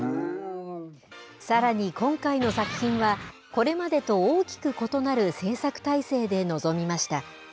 さらに今回の作品はこれまでと大きく異なる制作体制で臨みました。